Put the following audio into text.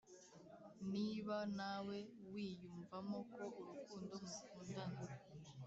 niba nawe wiyumvamo ko urukundo mukundana